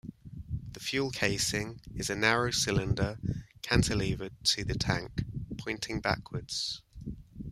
The fuel casing is a narrow cylinder cantilevered to the tank, pointing backwards.